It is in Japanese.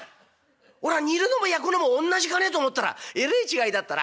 俺は『煮る』のも焼くのもおんなじかねと思ったらえれえ違いだったな。